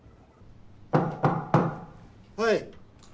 はい。